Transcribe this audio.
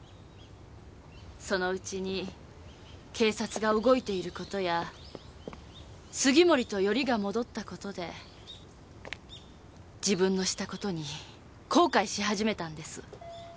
そのうちに警察が動いている事や杉森とよりが戻った事で自分のした事に後悔し始めたんです。